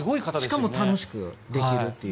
しかも楽しくできるという。